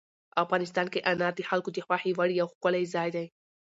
افغانستان کې انار د خلکو د خوښې وړ یو ښکلی ځای دی.